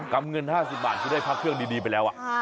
กรรมเงิน๕๐บาทจะได้พักเครื่องดีไปแล้ว